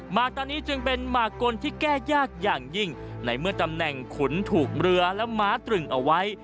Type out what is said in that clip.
หมาตอนนี้จึงเป็นหมากกลที่แก้ยากอย่างยิ่งในเมื่อตำแหน่งขุนถูกเรือและม้าตรึงเอาไว้